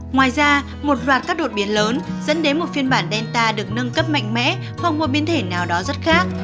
ngoài ra một loạt các đột biến lớn dẫn đến một phiên bản delta được nâng cấp mạnh mẽ không có biến thể nào đó rất khác